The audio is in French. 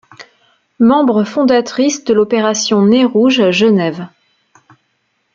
Membre fondatrice de l'Opération Nez Rouge Genève.